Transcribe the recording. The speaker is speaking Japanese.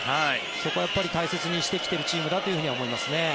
そこは大切にしてきているチームだとは思います。